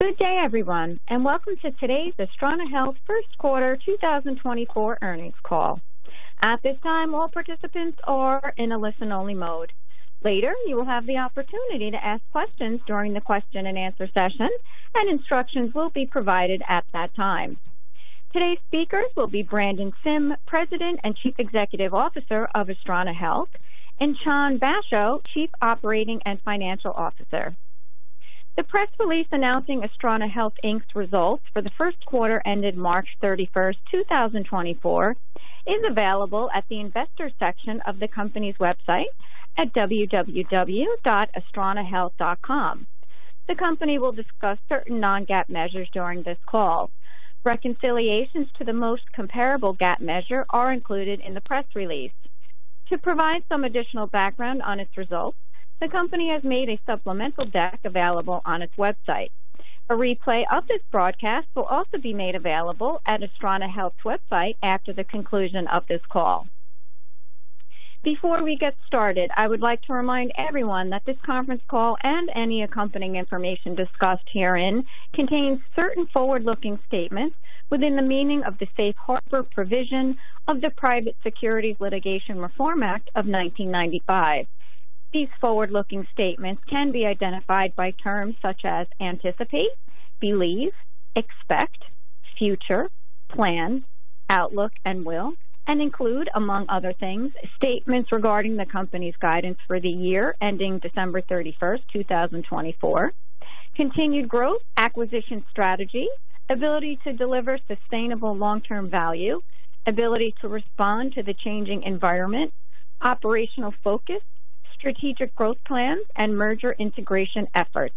Good day, everyone, and welcome to today's Astrana Health first quarter 2024 earnings call. At this time, all participants are in a listen-only mode. Later, you will have the opportunity to ask questions during the question and answer session, and instructions will be provided at that time. Today's speakers will be Brandon Sim, President and Chief Executive Officer of Astrana Health, and Chan Basho, Chief Operating and Financial Officer. The press release announcing Astrana Health Inc's results for the first quarter ended March 31st, 2024, is available at the Investors section of the company's website at www.astranahealth.com. The company will discuss certain non-GAAP measures during this call. Reconciliations to the most comparable GAAP measure are included in the press release. To provide some additional background on its results, the company has made a supplemental deck available on its website. A replay of this broadcast will also be made available at Astrana Health's website after the conclusion of this call. Before we get started, I would like to remind everyone that this conference call and any accompanying information discussed herein contains certain forward-looking statements within the meaning of the Safe Harbor provision of the Private Securities Litigation Reform Act of 1995. These forward-looking statements can be identified by terms such as anticipate, believe, expect, future, plan, outlook, and will, and include, among other things, statements regarding the company's guidance for the year ending December 31st, 2024, continued growth, acquisition strategy, ability to deliver sustainable long-term value, ability to respond to the changing environment, operational focus, strategic growth plans, and merger integration efforts.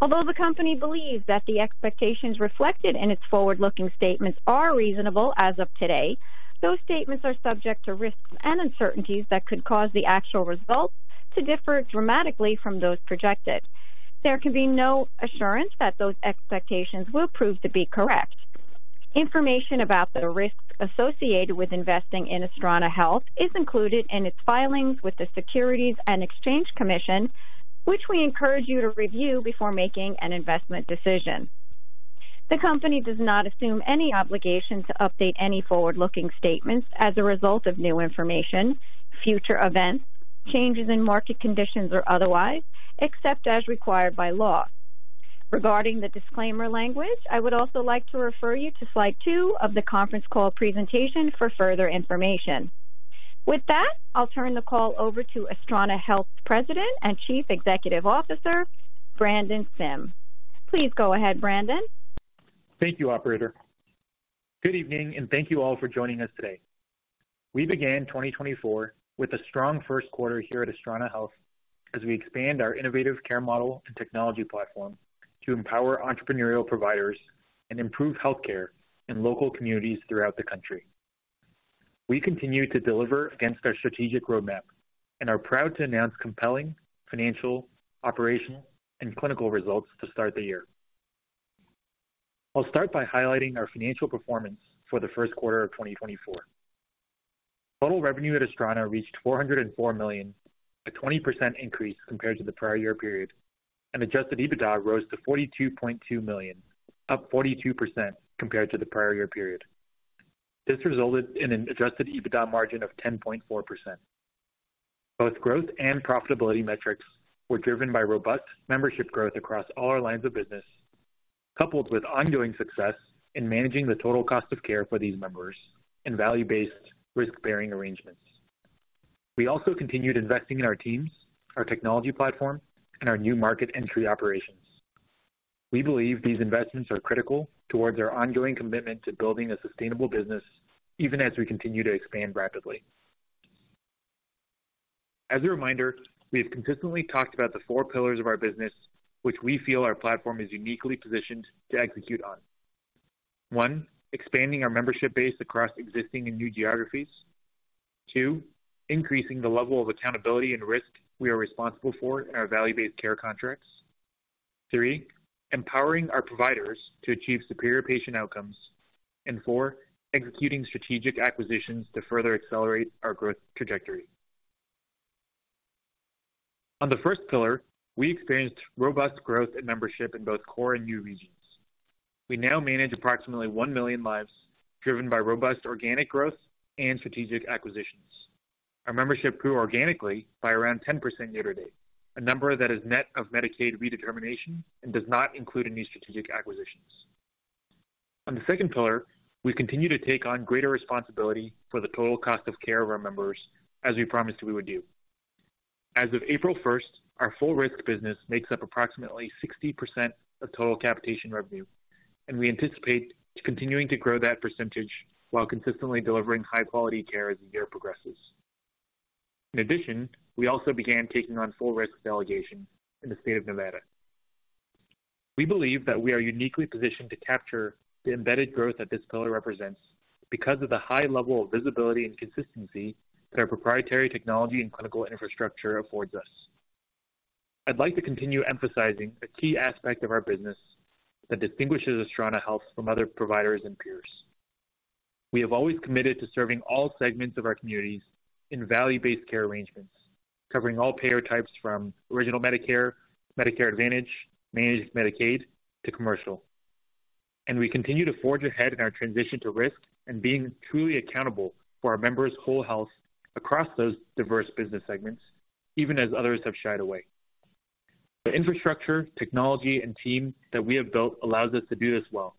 Although the company believes that the expectations reflected in its forward-looking statements are reasonable as of today, those statements are subject to risks and uncertainties that could cause the actual results to differ dramatically from those projected. There can be no assurance that those expectations will prove to be correct. Information about the risks associated with investing in Astrana Health is included in its filings with the Securities and Exchange Commission, which we encourage you to review before making an investment decision. The company does not assume any obligation to update any forward-looking statements as a result of new information, future events, changes in market conditions, or otherwise, except as required by law. Regarding the disclaimer language, I would also like to refer you to slide two of the conference call presentation for further information. With that, I'll turn the call over to Astrana Health's President and Chief Executive Officer, Brandon Sim. Please go ahead, Brandon. Thank you, operator. Good evening, and thank you all for joining us today. We began 2024 with a strong first quarter here at Astrana Health as we expand our innovative care model and technology platform to empower entrepreneurial providers and improve healthcare in local communities throughout the country. We continue to deliver against our strategic roadmap and are proud to announce compelling financial, operational, and clinical results to start the year. I'll start by highlighting our financial performance for the first quarter of 2024. Total revenue at Astrana reached $404 million, a 20% increase compared to the prior year period, and adjusted EBITDA rose to $42.2 million, up 42% compared to the prior year period. This resulted in an adjusted EBITDA margin of 10.4%. Both growth and profitability metrics were driven by robust membership growth across all our lines of business, coupled with ongoing success in managing the total cost of care for these members in value-based risk-bearing arrangements. We also continued investing in our teams, our technology platform, and our new market entry operations. We believe these investments are critical towards our ongoing commitment to building a sustainable business, even as we continue to expand rapidly. As a reminder, we have consistently talked about the four pillars of our business, which we feel our platform is uniquely positioned to execute on. One, expanding our membership base across existing and new geographies. Two, increasing the level of accountability and risk we are responsible for in our value-based care contracts. Three, empowering our providers to achieve superior patient outcomes. And four, executing strategic acquisitions to further accelerate our growth trajectory. On the first pillar, we experienced robust growth and membership in both core and new regions. We now manage approximately 1 million lives, driven by robust organic growth and strategic acquisitions. Our membership grew organically by around 10% year to date, a number that is net of Medicaid redetermination and does not include any strategic acquisitions. On the second pillar, we continue to take on greater responsibility for the total cost of care of our members, as we promised we would do. As of April 1st, our full risk business makes up approximately 60% of total capitation revenue, and we anticipate continuing to grow that percentage while consistently delivering high-quality care as the year progresses. In addition, we also began taking on full risk delegation in the state of Nevada. We believe that we are uniquely positioned to capture the embedded growth that this pillar represents because of the high level of visibility and consistency that our proprietary technology and clinical infrastructure affords us. I'd like to continue emphasizing a key aspect of our business that distinguishes Astrana Health from other providers and peers... We have always committed to serving all segments of our communities in value-based care arrangements, covering all payer types from Original Medicare, Medicare Advantage, Managed Medicaid to commercial. We continue to forge ahead in our transition to risk and being truly accountable for our members' whole health across those diverse business segments, even as others have shied away. The infrastructure, technology, and team that we have built allows us to do this well,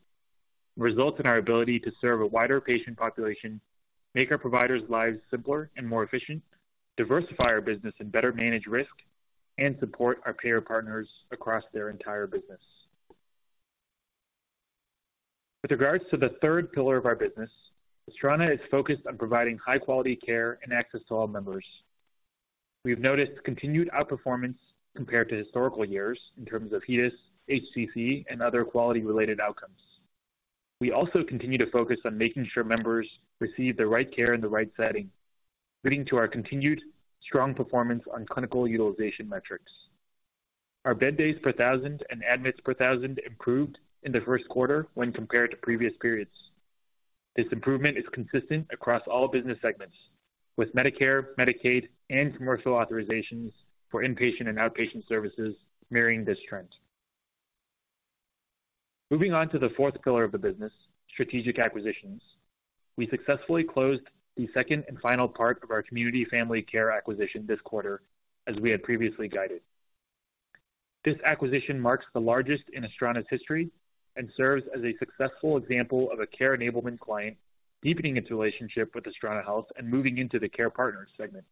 and results in our ability to serve a wider patient population, make our providers' lives simpler and more efficient, diversify our business and better manage risk, and support our payer partners across their entire business. With regards to the third pillar of our business, Astrana is focused on providing high-quality care and access to all members. We've noticed continued outperformance compared to historical years in terms of HEDIS, HCC, and other quality-related outcomes. We also continue to focus on making sure members receive the right care in the right setting, leading to our continued strong performance on clinical utilization metrics. Our bed days per thousand and admits per thousand improved in the first quarter when compared to previous periods. This improvement is consistent across all business segments, with Medicare, Medicaid, and commercial authorizations for inpatient and outpatient services mirroring this trend. Moving on to the fourth pillar of the business, strategic acquisitions, we successfully closed the second and final part of our Community Family Care acquisition this quarter, as we had previously guided. This acquisition marks the largest in Astrana's history and serves as a successful example of a Care Enablement client deepening its relationship with Astrana Health and moving into the Care Partners segment.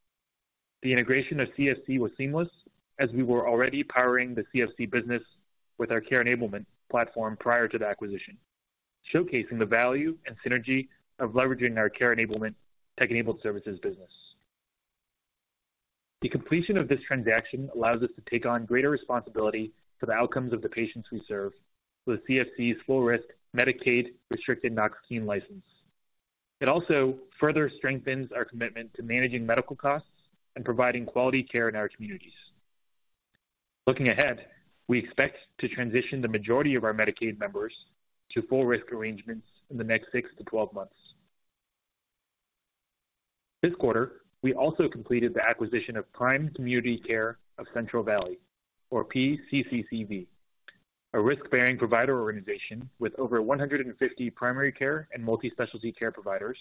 The integration of CFC was seamless, as we were already powering the CFC business with our Care Enablement platform prior to the acquisition, showcasing the value and synergy of leveraging our Care Enablement tech-enabled services business. The completion of this transaction allows us to take on greater responsibility for the outcomes of the patients we serve with CFC's full risk Medicaid restricted Knox-Keene license. It also further strengthens our commitment to managing medical costs and providing quality care in our communities. Looking ahead, we expect to transition the majority of our Medicaid members to full risk arrangements in the next 6-12 months. This quarter, we also completed the acquisition of Prime Community Care of Central Valley, or PCCCV, a risk-bearing provider organization with over 150 primary care and multi-specialty care providers,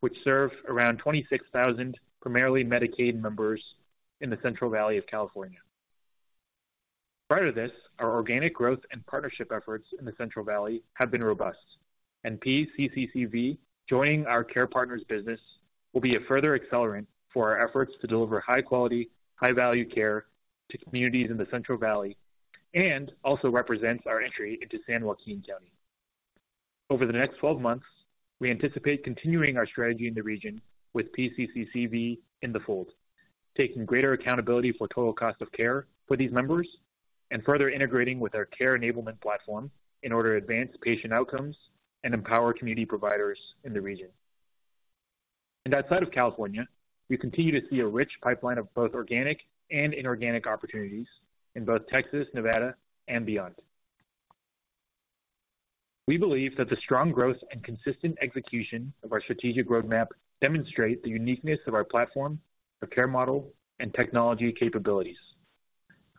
which serve around 26,000, primarily Medicaid members in the Central Valley of California. Prior to this, our organic growth and partnership efforts in the Central Valley have been robust, and PCCCV joining our Care Partners business will be a further accelerant for our efforts to deliver high quality, high value care to communities in the Central Valley, and also represents our entry into San Joaquin County. Over the next 12 months, we anticipate continuing our strategy in the region with PCCCV in the fold, taking greater accountability for total cost of care for these members, and further integrating with our Care Enablement platform in order to advance patient outcomes and empower community providers in the region. Outside of California, we continue to see a rich pipeline of both organic and inorganic opportunities in both Texas, Nevada and beyond. We believe that the strong growth and consistent execution of our strategic roadmap demonstrate the uniqueness of our platform, our care model, and technology capabilities.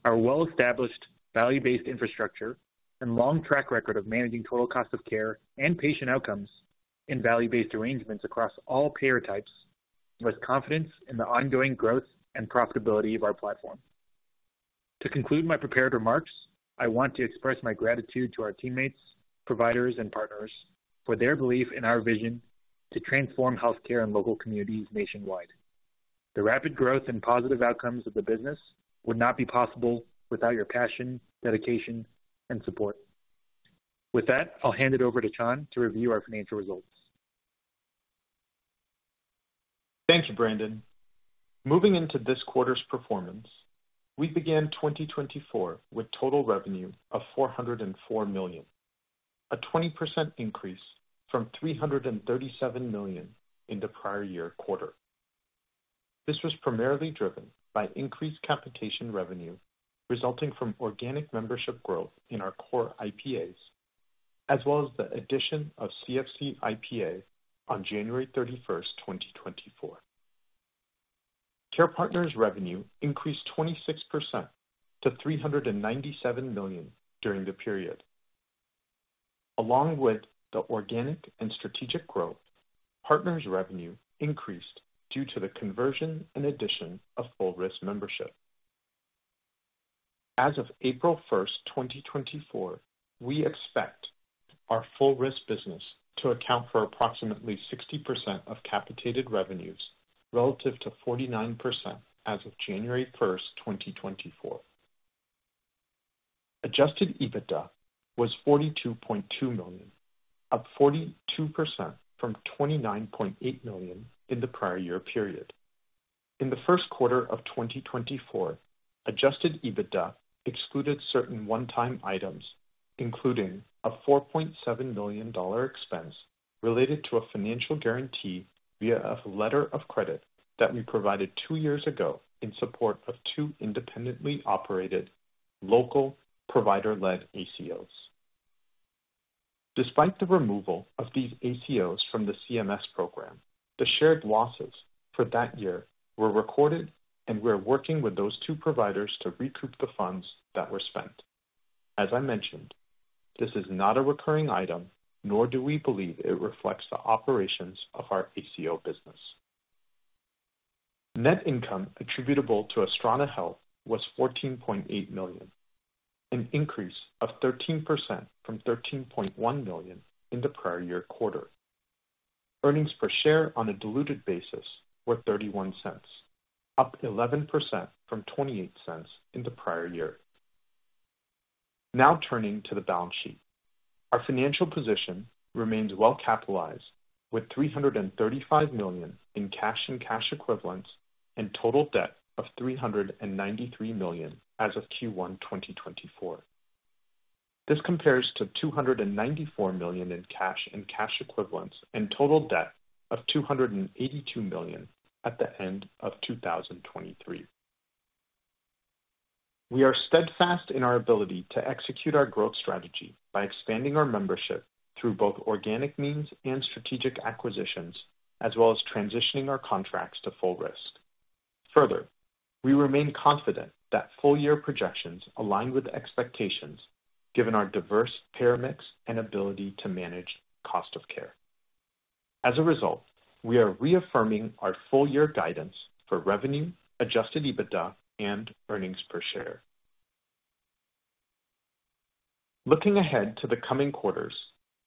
Our well-established, value-based infrastructure and long track record of managing total cost of care and patient outcomes in value-based arrangements across all payer types, with confidence in the ongoing growth and profitability of our platform. To conclude my prepared remarks, I want to express my gratitude to our teammates, providers, and partners for their belief in our vision to transform healthcare in local communities nationwide. The rapid growth and positive outcomes of the business would not be possible without your passion, dedication, and support. With that, I'll hand it over to Chan to review our financial results. Thank you, Brandon. Moving into this quarter's performance, we began 2024 with total revenue of $404 million, a 20% increase from $337 million in the prior year quarter. This was primarily driven by increased capitation revenue resulting from organic membership growth in our core IPAs, as well as the addition of CFC IPA on January 31st, 2024. Care Partners revenue increased 26% to $397 million during the period. Along with the organic and strategic growth, Partners revenue increased due to the conversion and addition of full risk membership. As of April 1st, 2024, we expect our full risk business to account for approximately 60% of capitated revenues, relative to 49% as of January 1st, 2024. Adjusted EBITDA was $42.2 million, up 42% from $29.8 million in the prior year period. In the first quarter of 2024, adjusted EBITDA excluded certain one-time items, including a $4.7 million dollar expense related to a financial guarantee via a letter of credit that we provided two years ago in support of two independently operated local provider-led ACOs. Despite the removal of these ACOs from the CMS program, the shared losses for that year were recorded, and we're working with those two providers to recoup the funds that were spent. As I mentioned, this is not a recurring item, nor do we believe it reflects the operations of our ACO business. Net income attributable to Astrana Health was $14.8 million, an increase of 13% from $13.1 million in the prior year quarter. Earnings per share on a diluted basis were $0.31, up 11% from $0.28 in the prior year. Now turning to the balance sheet. Our financial position remains well capitalized, with $335 million in cash and cash equivalents, and total debt of $393 million as of Q1 2024. This compares to $294 million in cash and cash equivalents, and total debt of $282 million at the end of 2023. We are steadfast in our ability to execute our growth strategy by expanding our membership through both organic means and strategic acquisitions, as well as transitioning our contracts to full risk. Further, we remain confident that full-year projections align with expectations, given our diverse payer mix and ability to manage cost of care. As a result, we are reaffirming our full year guidance for revenue, adjusted EBITDA, and earnings per share. Looking ahead to the coming quarters,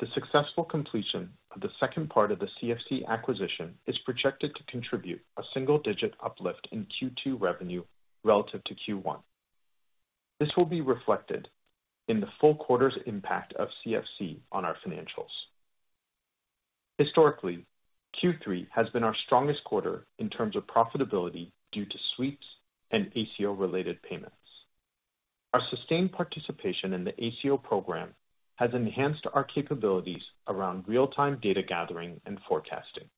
the successful completion of the second part of the CFC acquisition is projected to contribute a single digit uplift in Q2 revenue relative to Q1. This will be reflected in the full quarter's impact of CFC on our financials. Historically, Q3 has been our strongest quarter in terms of profitability due to sweeps and ACO-related payments. Our sustained participation in the ACO program has enhanced our capabilities around real-time data gathering and forecasting.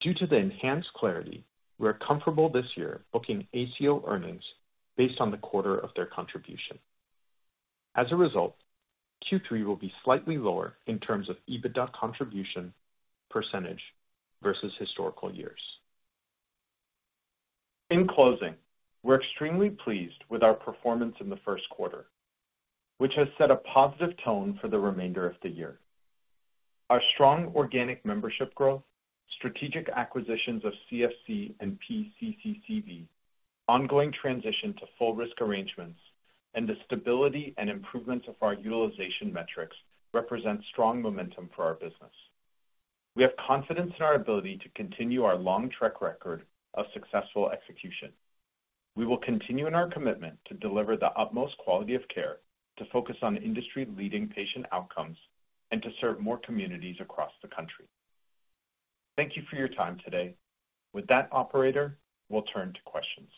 Due to the enhanced clarity, we are comfortable this year booking ACO earnings based on the quarter of their contribution. As a result, Q3 will be slightly lower in terms of EBITDA contribution percentage versus historical years. In closing, we're extremely pleased with our performance in the first quarter, which has set a positive tone for the remainder of the year. Our strong organic membership growth, strategic acquisitions of CFC and PCCCV, ongoing transition to full risk arrangements, and the stability and improvements of our utilization metrics represent strong momentum for our business. We have confidence in our ability to continue our long track record of successful execution. We will continue in our commitment to deliver the utmost quality of care, to focus on industry-leading patient outcomes, and to serve more communities across the country. Thank you for your time today. With that, operator, we'll turn to questions.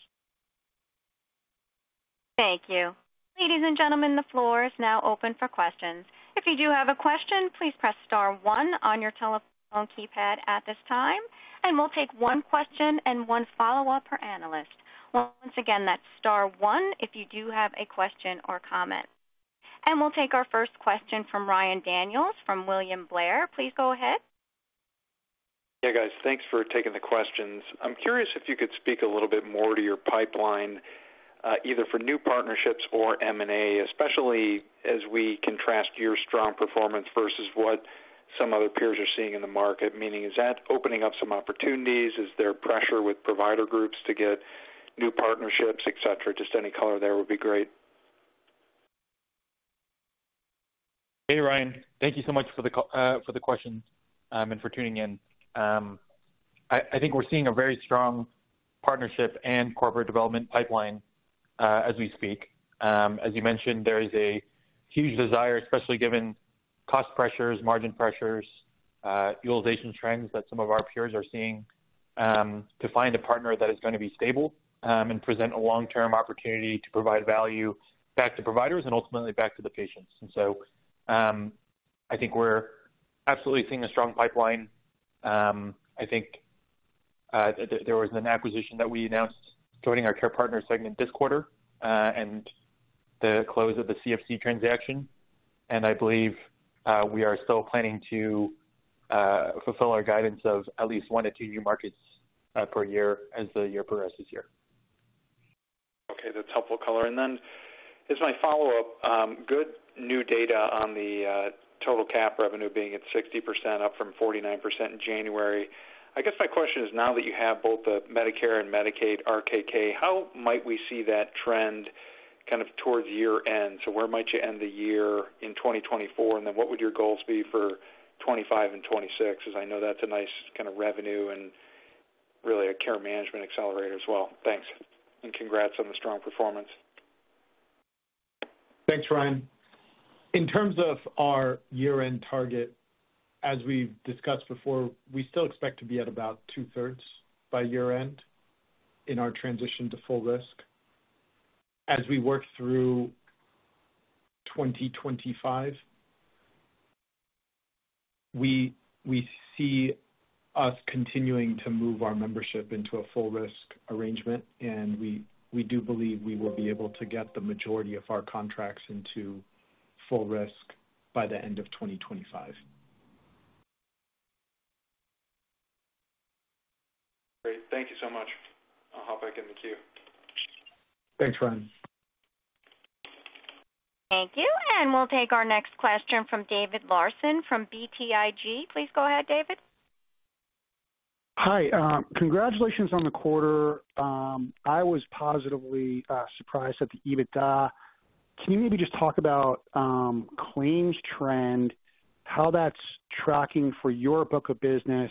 Thank you. Ladies and gentlemen, the floor is now open for questions. If you do have a question, please press star one on your telephone keypad at this time, and we'll take one question and one follow-up per analyst. Once again, that's star one if you do have a question or comment. And we'll take our first question from Ryan Daniels, from William Blair. Please go ahead. Hey, guys. Thanks for taking the questions. I'm curious if you could speak a little bit more to your pipeline, either for new partnerships or M&A, especially as we contrast your strong performance versus what some other peers are seeing in the market. Meaning, is that opening up some opportunities? Is there pressure with provider groups to get new partnerships, et cetera? Just any color there would be great. Hey, Ryan. Thank you so much for the question, and for tuning in. I think we're seeing a very strong partnership and corporate development pipeline, as we speak. As you mentioned, there is a huge desire, especially given cost pressures, margin pressures, utilization trends that some of our peers are seeing, to find a partner that is gonna be stable, and present a long-term opportunity to provide value back to providers and ultimately back to the patients. And so, I think we're absolutely seeing a strong pipeline. I think there was an acquisition that we announced joining our Care Partners segment this quarter, and the close of the CFC transaction, and I believe we are still planning to fulfill our guidance of at least 1-2 new markets per year as the year progresses here. Okay, that's helpful color. And then, as my follow-up, good new data on the, total cap revenue being at 60%, up from 49% in January. I guess my question is, now that you have both the Medicare and Medicaid RKK, how might we see that trend kind of towards year-end? So where might you end the year in 2024, and then what would your goals be for 2025 and 2026, as I know that's a nice kind of revenue and really a care management accelerator as well. Thanks, and congrats on the strong performance. Thanks, Ryan. In terms of our year-end target, as we've discussed before, we still expect to be at about two-thirds by year-end in our transition to full risk. As we work through 2025, we see us continuing to move our membership into a full risk arrangement, and we do believe we will be able to get the majority of our contracts into full risk by the end of 2025. Great. Thank you so much. I'll hop back in the queue. Thanks, Ryan. Thank you. We'll take our next question from David Larsen from BTIG. Please go ahead, David. Hi, congratulations on the quarter. I was positively surprised at the EBITDA. Can you maybe just talk about claims trend, how that's tracking for your book of business?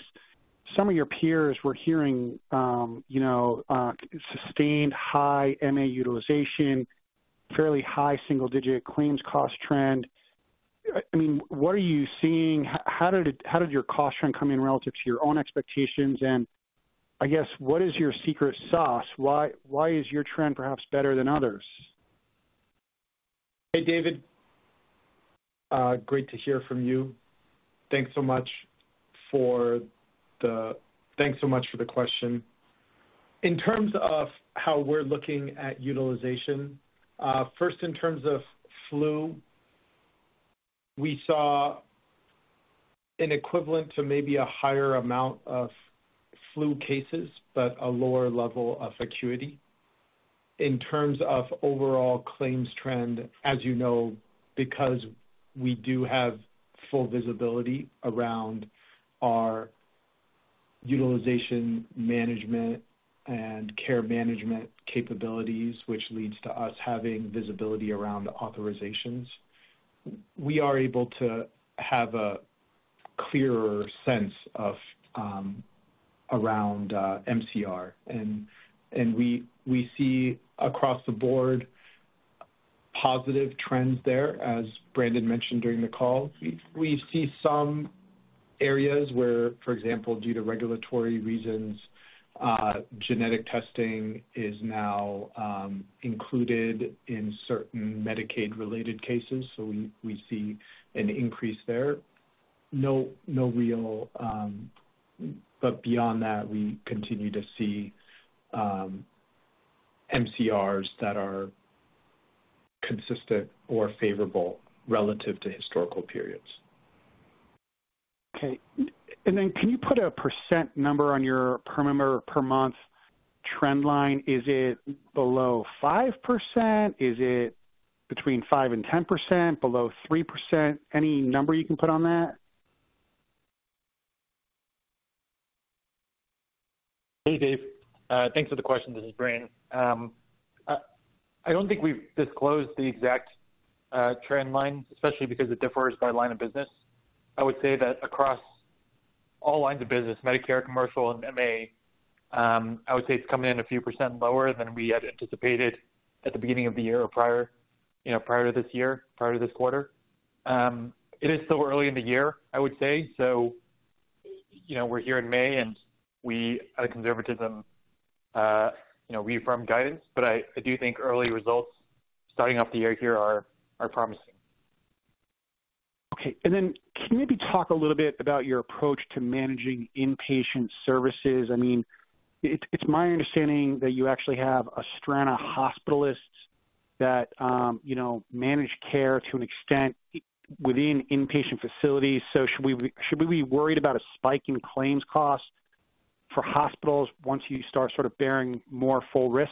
Some of your peers were hearing, you know, sustained high MA utilization, fairly high single-digit claims cost trend. I mean, what are you seeing? How did your cost trend come in relative to your own expectations? And I guess, what is your secret sauce? Why is your trend perhaps better than others? Hey, David, great to hear from you. Thanks so much for the question. In terms of how we're looking at utilization, first, in terms of flu, we saw an equivalent to maybe a higher amount of flu cases, but a lower level of acuity. In terms of overall claims trend, as you know, because we do have full visibility around our utilization management and care management capabilities, which leads to us having visibility around authorizations, we are able to have a clearer sense of, around, MCR. And we see across the board positive trends there, as Brandon mentioned during the call. We see some areas where, for example, due to regulatory reasons, genetic testing is now included in certain Medicaid-related cases, so we see an increase there. No, no real, But beyond that, we continue to see MCRs that are consistent or favorable relative to historical periods. Okay. And then can you put a percent number on your per member, per month trend line? Is it below 5%? Is it between 5% and 10%, below 3%? Any number you can put on that? Hey, Dave, thanks for the question. This is Brandon. I don't think we've disclosed the exact, trend line, especially because it differs by line of business. I would say that across all lines of business, Medicare, commercial, and MA, I would say it's coming in a few percent lower than we had anticipated at the beginning of the year or prior, you know, prior to this year, prior to this quarter. It is still early in the year, I would say. So, you know, we're here in May, and we, out of conservatism, you know, we firm guidance, but I, I do think early results starting off the year here are, are promising. Okay. And then can you maybe talk a little bit about your approach to managing inpatient services? I mean, it's, it's my understanding that you actually have a strata of hospitalists that, you know, manage care to an extent within inpatient facilities. So should we be, should we be worried about a spike in claims costs for hospitals once you start sort of bearing more full risk?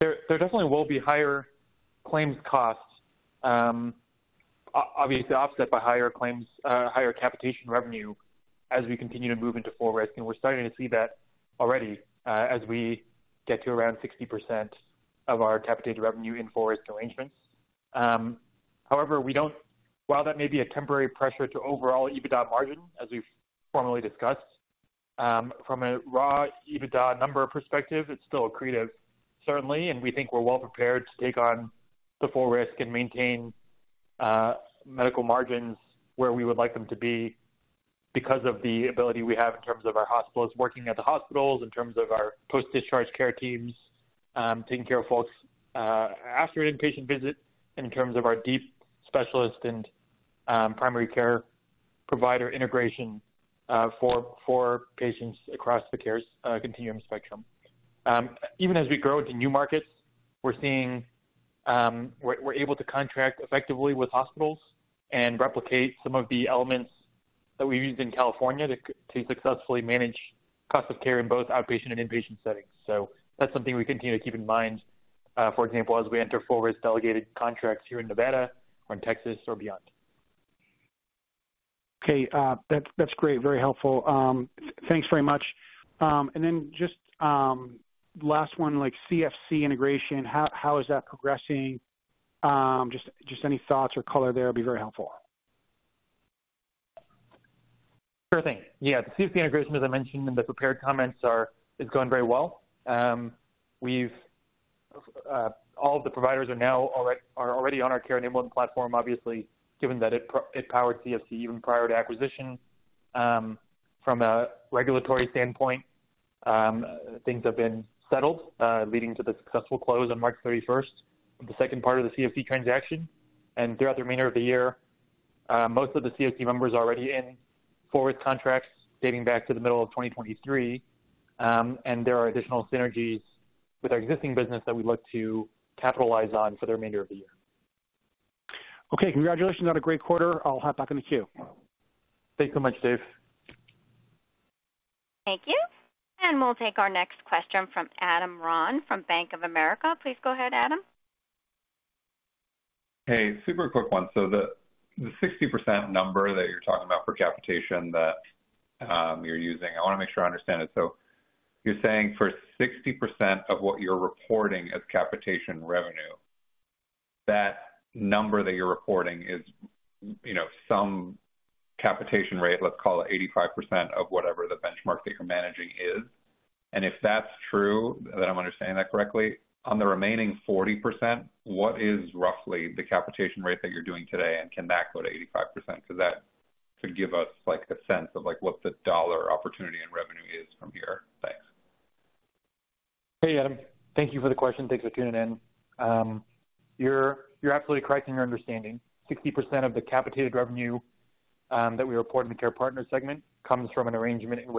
There definitely will be higher claims costs, obviously offset by higher claims, higher capitation revenue as we continue to move into full risk. And we're starting to see that already, as we get to around 60% of our capitated revenue in full-risk arrangements. However, we don't—while that may be a temporary pressure to overall EBITDA margin, as we've formally discussed, from a raw EBITDA number perspective, it's still accretive, certainly, and we think we're well prepared to take on the full risk and maintain medical margins where we would like them to be because of the ability we have in terms of our hospitals, working at the hospitals, in terms of our post-discharge care teams, taking care of folks after an inpatient visit, in terms of our deep specialist and primary care provider integration for patients across the care continuum spectrum. Even as we grow into new markets, we're seeing, we're able to contract effectively with hospitals and replicate some of the elements that we used in California to successfully manage cost of care in both outpatient and inpatient settings. So that's something we continue to keep in mind, for example, as we enter forward delegated contracts here in Nevada or in Texas or beyond. Okay, that's great. Very helpful. Thanks very much. And then just last one, like CFC integration, how is that progressing? Just any thoughts or color there will be very helpful. Sure thing. Yeah, the CFC integration, as I mentioned in the prepared comments, is going very well. We've all the providers are now already on our Care Enablement platform, obviously, given that it powered CFC even prior to acquisition. From a regulatory standpoint, things have been settled, leading to the successful close on March 31st, the second part of the CFC transaction. And throughout the remainder of the year, most of the CFC members are already in forward contracts dating back to the middle of 2023. And there are additional synergies with our existing business that we look to capitalize on for the remainder of the year. Okay, congratulations on a great quarter. I'll hop back in the queue. Thanks so much, Dave. Thank you. We'll take our next question from Adam Ron from Bank of America. Please go ahead, Adam. Hey, super quick one. So the 60% number that you're talking about for capitation that you're using, I want to make sure I understand it. So you're saying for 60% of what you're reporting as capitation revenue, that number that you're reporting is, you know, some capitation rate, let's call it 85% of whatever the benchmark that you're managing is. And if that's true, that I'm understanding that correctly, on the remaining 40%, what is roughly the capitation rate that you're doing today, and can that go to 85%? Because that should give us, like, a sense of, like, what the dollar opportunity and revenue is from here. Thanks. Hey, Adam, thank you for the question. Thanks for tuning in. You're absolutely correct in your understanding. 60% of the capitated revenue that we report in the Care Partners segment comes from an arrangement in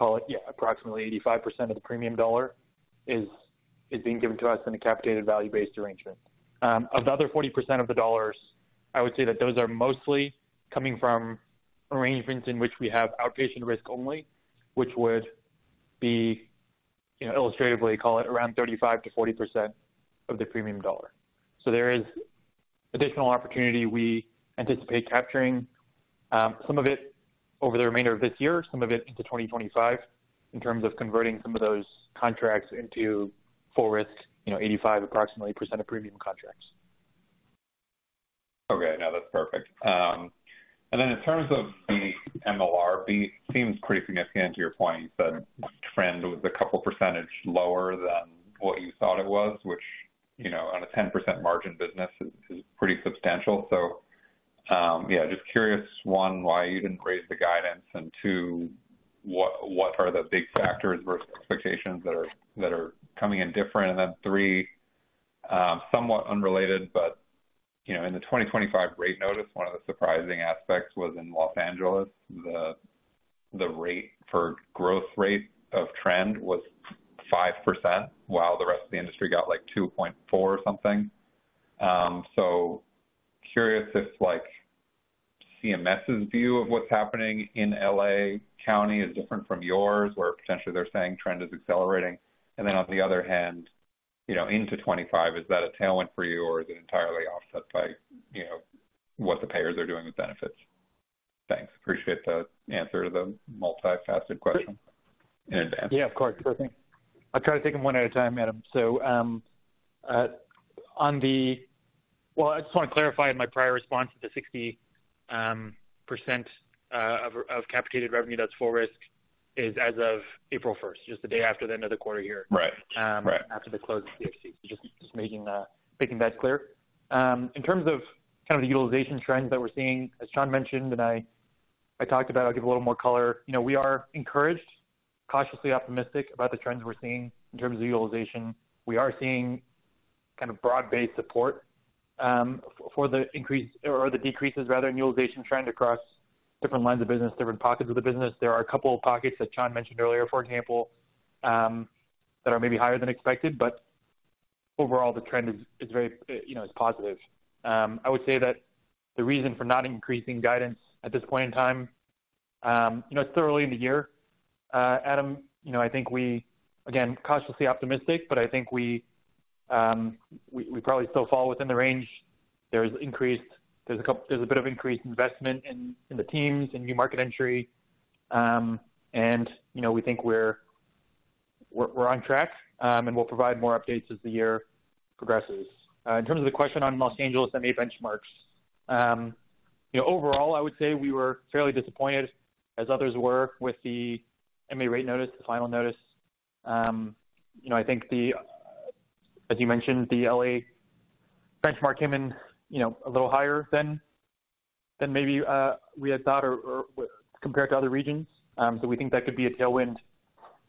which, call it, yeah, approximately 85% of the premium dollar is being given to us in a capitated value-based arrangement. Of the other 40% of the dollars, I would say that those are mostly coming from arrangements in which we have outpatient risk only, which would be, you know, illustratively, call it around 35%-40% of the premium dollar. So there is additional opportunity we anticipate capturing, some of it over the remainder of this year, some of it into 2025, in terms of converting some of those contracts into full risk, you know, approximately 85% of premium contracts. Okay, now that's perfect. And then in terms of the MLR, seems pretty significant to your point, you said trend was a couple percentage lower than what you thought it was, which, you know, on a 10% margin business is pretty substantial. So, yeah, just curious, one, why you didn't raise the guidance, and two, what are the big factors versus expectations that are coming in different? And then three, somewhat unrelated, but, you know, in the 2025 rate notice, one of the surprising aspects was in Los Angeles, the rate for growth rate of trend was 5%, while the rest of the industry got, like, 2.4 or something. So curious if, like, CMS's view of what's happening in L.A. County is different from yours, where potentially they're saying trend is accelerating. And then, on the other hand, you know, into 2025, is that a tailwind for you, or is it entirely offset by, you know, what the payers are doing with benefits? Thanks. Appreciate the answer to the multifaceted question in advance. Yeah, of course. Sure thing. I'll try to take them one at a time, Adam. Well, I just want to clarify in my prior response that the 60% of capitated revenue, that's full risk, is as of April 1st, just the day after the end of the quarter year- Right. Right. After the close of CFC. Just making that clear. In terms of kind of the utilization trends that we're seeing, as Chan mentioned, and I talked about, I'll give a little more color. You know, we are encouraged, cautiously optimistic about the trends we're seeing in terms of utilization. We are seeing kind of broad-based support for the increase or the decreases rather, in utilization trend across different lines of business, different pockets of the business. There are a couple of pockets that Chan mentioned earlier, for example, that are maybe higher than expected, but overall, the trend is very, you know, positive. I would say that the reason for not increasing guidance at this point in time, you know, it's thoroughly in the year. Adam, you know, I think we, again, cautiously optimistic, but I think we probably still fall within the range. There's a bit of increased investment in the teams, in new market entry. And, you know, we think we're on track, and we'll provide more updates as the year progresses. In terms of the question on Los Angeles MA benchmarks, you know, overall, I would say we were fairly disappointed, as others were, with the MA rate notice, the final notice. You know, I think the, as you mentioned, the LA benchmark came in, you know, a little higher than maybe we had thought or compared to other regions. So we think that could be a tailwind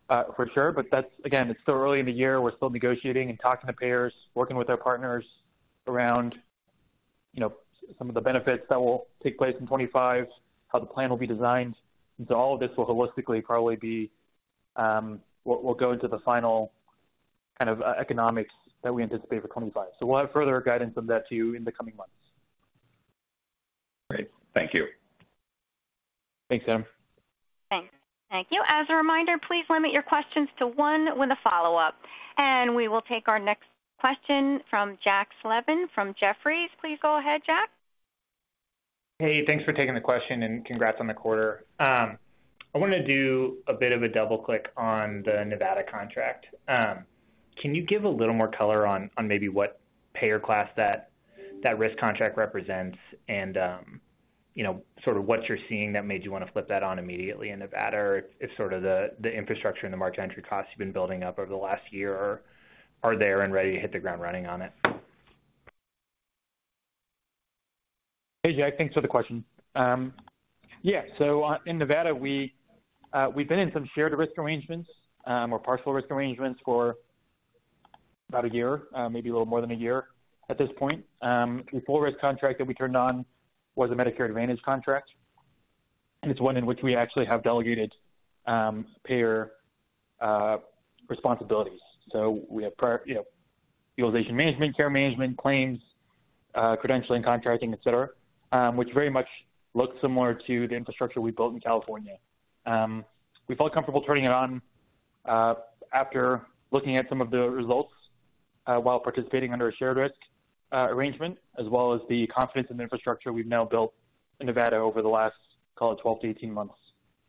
for sure. But that's again, it's still early in the year. We're still negotiating and talking to payers, working with our partners around, you know, some of the benefits that will take place in 2025, how the plan will be designed. So all of this will holistically probably be, will, will go into the final kind of, economics that we anticipate for 2025. So we'll have further guidance on that to you in the coming months. Great. Thank you. Thanks, Adam. Thanks. Thank you. As a reminder, please limit your questions to one with a follow-up. We will take our next question from Jack Slevin, from Jefferies. Please go ahead, Jack. Hey, thanks for taking the question, and congrats on the quarter. I wanna do a bit of a double click on the Nevada contract. Can you give a little more color on maybe what payer class that risk contract represents? And you know, sort of what you're seeing that made you wanna flip that on immediately in Nevada, if sort of the infrastructure and the market entry costs you've been building up over the last year are there and ready to hit the ground running on it? Hey, Jack, thanks for the question. Yeah, so, in Nevada, we, we've been in some shared risk arrangements, or partial risk arrangements for about a year, maybe a little more than a year at this point. The full risk contract that we turned on was a Medicare Advantage contract, and it's one in which we actually have delegated, payer, responsibilities. So we have prior, you know, utilization management, care management, claims, credentialing, contracting, et cetera, which very much looks similar to the infrastructure we built in California. We felt comfortable turning it on, after looking at some of the results, while participating under a shared risk, arrangement, as well as the confidence in the infrastructure we've now built in Nevada over the last, call it, 12-18 months.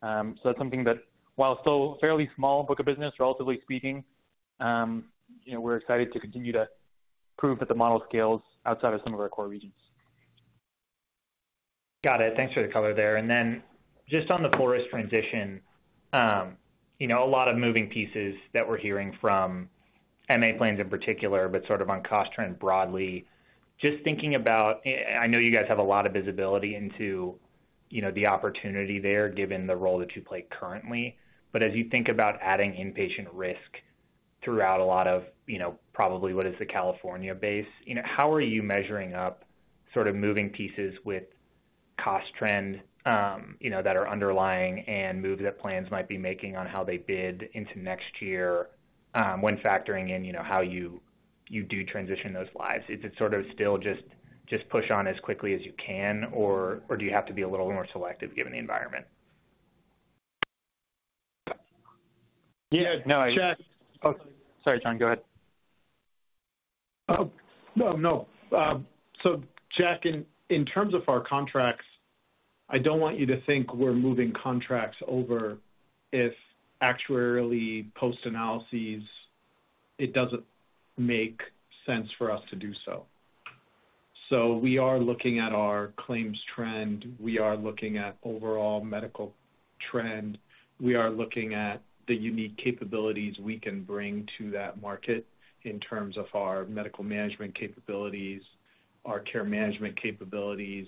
That's something that, while still fairly small book of business, relatively speaking, you know, we're excited to continue to prove that the model scales outside of some of our core regions. Got it. Thanks for the color there. And then just on the forest transition, you know, a lot of moving pieces that we're hearing from MA plans in particular, but sort of on cost trend broadly. Just thinking about, and I know you guys have a lot of visibility into, you know, the opportunity there, given the role that you play currently. But as you think about adding inpatient risk throughout a lot of, you know, probably what is the California base, you know, how are you measuring up sort of moving pieces with cost trend, you know, that are underlying and moves that plans might be making on how they bid into next year, when factoring in, you know, how you do transition those lives? Is it sort of still just, just push on as quickly as you can, or, or do you have to be a little more selective given the environment? Yeah, no, Jack- Yeah. Oh, sorry, Chan, go ahead. No, no. So Jack, in terms of our contracts, I don't want you to think we're moving contracts over if actuarially post-analyses, it doesn't make sense for us to do so. So we are looking at our claims trend. We are looking at overall medical trend. We are looking at the unique capabilities we can bring to that market in terms of our medical management capabilities, our care management capabilities,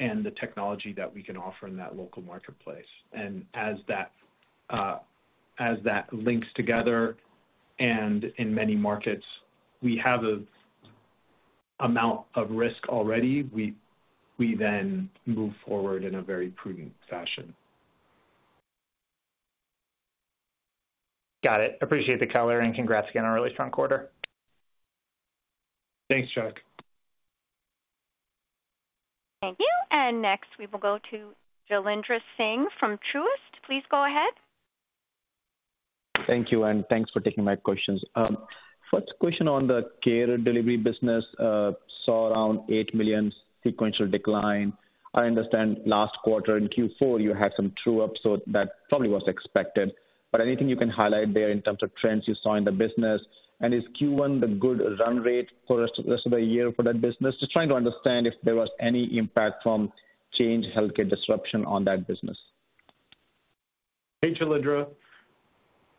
and the technology that we can offer in that local marketplace. And as that, as that links together, and in many markets, we have a amount of risk already, we then move forward in a very prudent fashion. Got it. Appreciate the color, and congrats again on a really strong quarter. Thanks, Jack. Thank you. And next, we will go to Jailendra Singh from Truist. Please go ahead. Thank you, and thanks for taking my questions. First question on the care delivery business, saw around $8 million sequential decline. I understand last quarter in Q4, you had some true up, so that probably was expected, but anything you can highlight there in terms of trends you saw in the business? And is Q1 the good run rate for rest of the year for that business? Just trying to understand if there was any impact from Change Healthcare disruption on that business. Hey, Jailendra.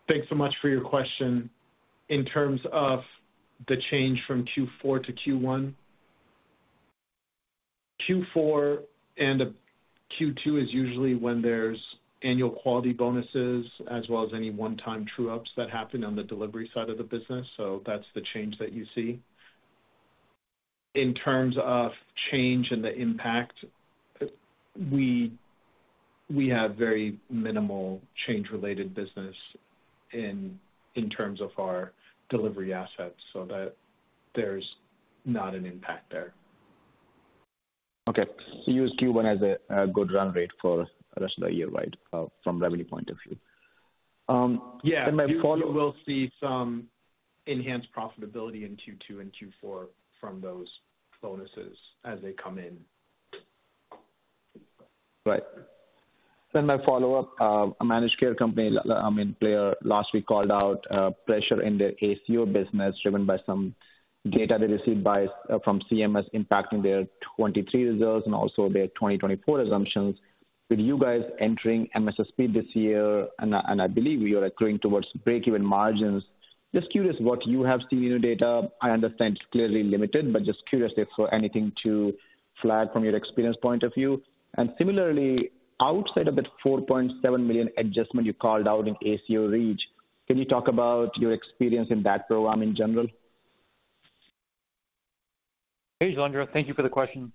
Thanks so much for your question. In terms of the change from Q4 to Q1, Q4 and Q2 is usually when there's annual quality bonuses, as well as any one-time true ups that happen on the delivery side of the business, so that's the change that you see. In terms of change and the impact, we have very minimal Change-related business in terms of our delivery assets, so that there's not an impact there. Okay, so use Q1 as a good run rate for rest of the year, right, from revenue point of view? And my follow- Yeah, you will see some enhanced profitability in Q2 and Q4 from those bonuses as they come in. Right. Then my follow-up, a managed care company, an IPA last week called out, pressure in their ACO business, driven by some data they received from CMS, impacting their 2023 results and also their 2024 assumptions. With you guys entering MSSP this year, and I believe you are accruing towards breakeven margins, just curious what you have seen in your data. I understand it's clearly limited, but just curious if for anything to flag from your experience point of view. And similarly, outside of the $4.7 million adjustment you called out in ACO REACH, can you talk about your experience in that program in general? Hey, Jailendra, thank you for the question.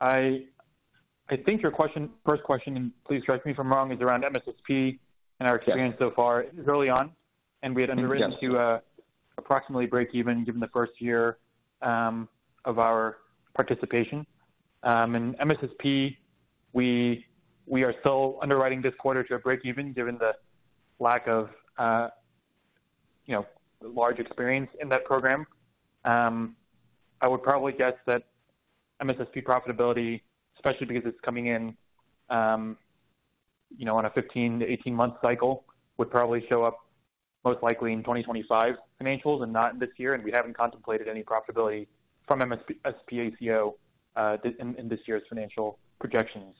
I think your question, first question, and please correct me if I'm wrong, is around MSSP and our experience so far. Yeah. It is early on, and we had underwritten to approximately breakeven given the first year of our participation. And MSSP, we are still underwriting this quarter to a breakeven, given the lack of you know, large experience in that program. I would probably guess that MSSP profitability, especially because it's coming in you know, on a 15- to 18-month cycle, would probably show up most likely in 2025 financials and not in this year, and we haven't contemplated any profitability from MSSP, MSSP ACO in this year's financial projections.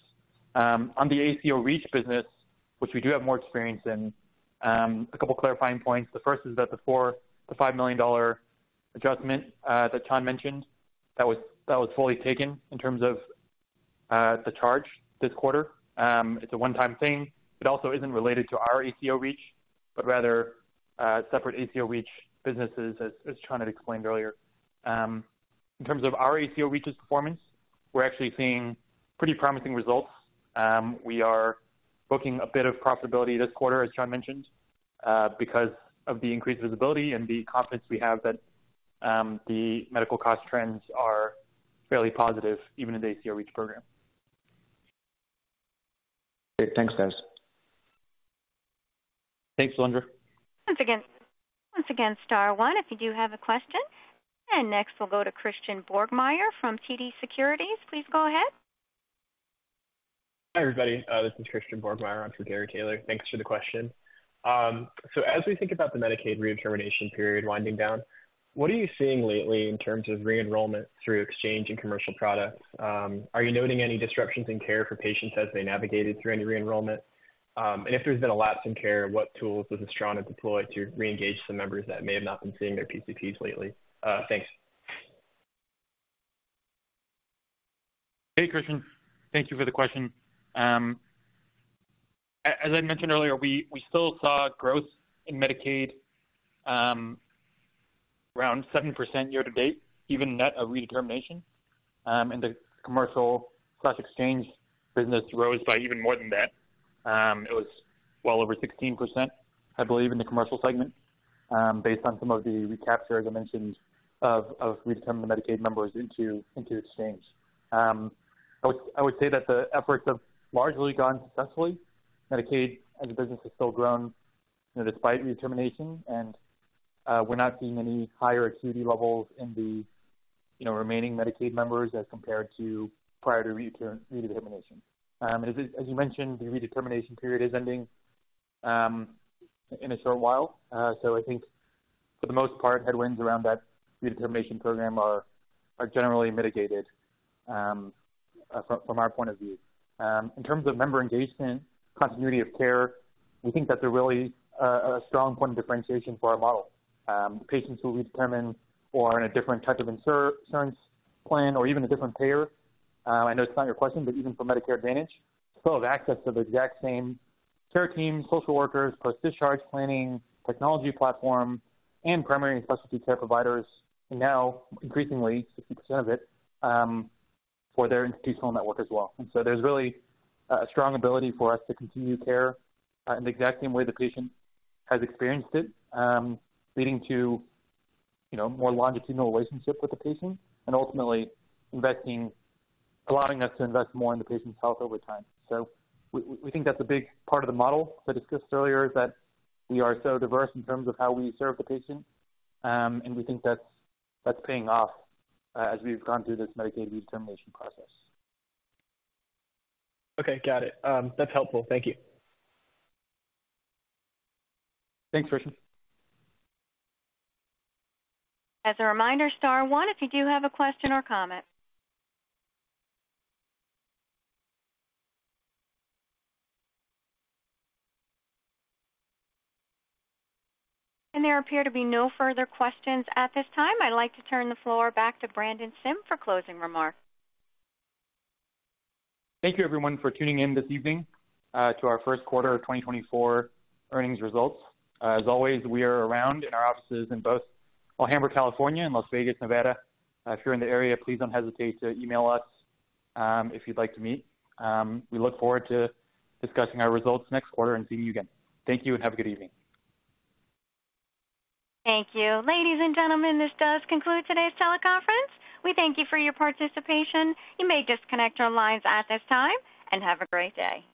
On the ACO REACH business, which we do have more experience in, a couple clarifying points. The first is that the $4 million-$5 million adjustment that Chan mentioned, that was, that was fully taken in terms of the charge this quarter. It's a one-time thing. It also isn't related to our ACO REACH, but rather, separate ACO REACH businesses, as Chan had explained earlier. In terms of our ACO REACH's performance, we're actually seeing pretty promising results. We are booking a bit of profitability this quarter, as Chan mentioned, because of the increased visibility and the confidence we have that, the medical cost trends are fairly positive, even in the ACO REACH program. Great. Thanks, guys. Thanks, Jailendra. Once again, once again, star one, if you do have a question. And next, we'll go to Christian Borgmeyer from TD Securities. Please go ahead. Hi, everybody. This is Christian Borgmeyer. I'm filling in for Gary Taylor. Thanks for the question. So as we think about the Medicaid redetermination period winding down, what are you seeing lately in terms of re-enrollment through exchange and commercial products? Are you noting any disruptions in care for patients as they navigated through any re-enrollment? And if there's been a lapse in care, what tools does Astrana deploy to reengage the members that may have not been seeing their PCPs lately? Thanks. Hey, Christian, thank you for the question. As I mentioned earlier, we still saw growth in Medicaid around 7% year to date, even net of redetermination. And the commercial class exchange business rose by even more than that. It was well over 16%, I believe, in the commercial segment, based on some of the recapture, as I mentioned, of redetermining the Medicaid members into the exchange. I would say that the efforts have largely gone successfully. Medicaid as a business has still grown, you know, despite redetermination, and we're not seeing any higher acuity levels in the remaining Medicaid members as compared to prior to redetermination. As you mentioned, the redetermination period is ending in a short while. So, I think for the most part, headwinds around that redetermination program are generally mitigated from our point of view. In terms of member engagement, continuity of care, we think that's a really strong point of differentiation for our model. Patients who redetermine or are on a different type of insurance plan or even a different payer, I know it's not your question, but even for Medicare Advantage, still have access to the exact same care team, social workers, plus discharge planning, technology platform, and primary and specialty care providers, and now increasingly, 60% of it for their institutional network as well. And so there's really a strong ability for us to continue care in the exact same way the patient has experienced it, leading to, you know, more longitudinal relationship with the patient and ultimately allowing us to invest more in the patient's health over time. So we think that's a big part of the model I discussed earlier, is that we are so diverse in terms of how we serve the patient, and we think that's paying off, as we've gone through this Medicaid redetermination process. Okay, got it. That's helpful. Thank you. Thanks, Christian. As a reminder, star one, if you do have a question or comment. There appear to be no further questions at this time. I'd like to turn the floor back to Brandon Sim for closing remarks. Thank you, everyone, for tuning in this evening, to our first quarter of 2024 earnings results. As always, we are around in our offices in both Alhambra, California, and Las Vegas, Nevada. If you're in the area, please don't hesitate to email us, if you'd like to meet. We look forward to discussing our results next quarter and seeing you again. Thank you, and have a good evening. Thank you. Ladies and gentlemen, this does conclude today's teleconference. We thank you for your participation. You may disconnect your lines at this time, and have a great day.